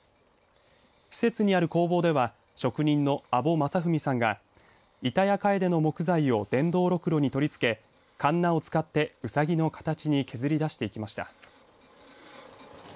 施設にある工房では職人の阿保正文さんがイタヤカエデの木材を電動ろくろに取り付けかんなを使って、うさぎの形に削り出していきました。